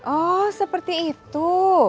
oh seperti itu